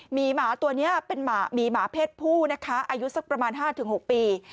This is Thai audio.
หมาตัวนี้เป็นหมีหมาเพศผู้นะคะอายุสักประมาณ๕๖ปี